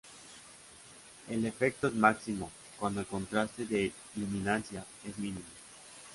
El efecto es máximo cuando el contraste de luminancia es mínimo.